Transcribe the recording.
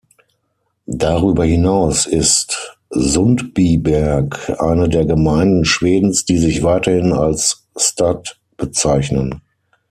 Darüber hinaus ist Sundbyberg eine der Gemeinden Schwedens, die sich weiterhin als "stad" bezeichnen.